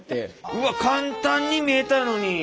うわっ簡単に見えたのに。